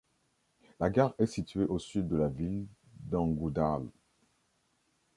La gare est située au sud de la ville d'Ngaoundal.